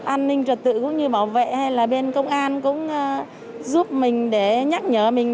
an ninh trật tự cũng như bảo vệ hay là bên công an cũng giúp mình để nhắc nhở mình